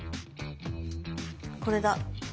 これだ。